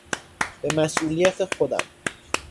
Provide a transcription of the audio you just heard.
به مسئولیت خودم